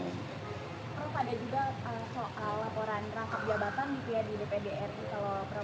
pak ada juga soal laporan rangkap jabatan gitu ya di dpr itu